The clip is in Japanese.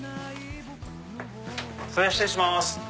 失礼します。